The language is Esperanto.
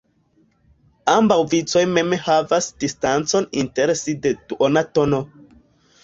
Ambaŭ vicoj mem havas distancon inter si de duona tono.